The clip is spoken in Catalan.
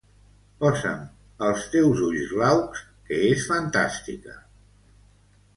Posa'm "Els teus ulls glaucs" que és fantàstica.